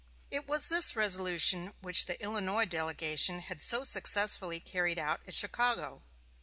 It was this resolution which the Illinois delegation had so successfully carried out at Chicago.